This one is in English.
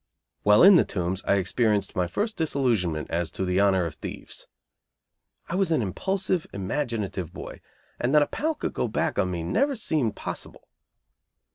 While in the Tombs I experienced my first disillusionment as to the honor of thieves. I was an impulsive, imaginative boy, and that a pal could go back on me never seemed possible.